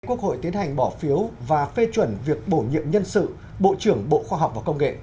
quốc hội tiến hành bỏ phiếu và phê chuẩn việc bổ nhiệm nhân sự bộ trưởng bộ khoa học và công nghệ